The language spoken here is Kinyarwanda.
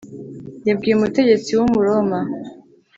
yabwiye umutegetsi w umuroma